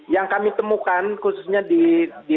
yang kami temukan khususnya di